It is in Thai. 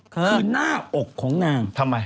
คือหน้าออกของนาง